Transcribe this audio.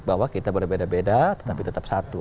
bahwa kita berbeda beda tetapi tetap satu